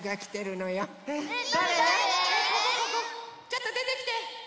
ちょっとでてきて。